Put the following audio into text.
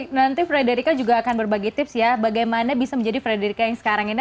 nanti frederika juga akan berbagi tips ya bagaimana bisa menjadi frederica yang sekarang ini